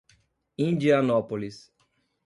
Indianópolis